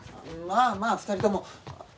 まあまあ２人とも。